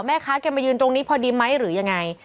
แกมายืนตรงนี้พอดีไหมหรือยังไง